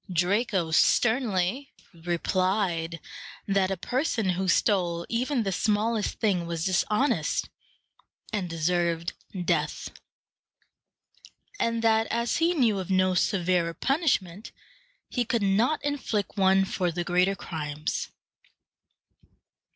Draco sternly replied that a person who stole even the smallest thing was dishonest, and deserved death; and that, as he knew of no severer punishment, he could not inflict one for the greater crimes.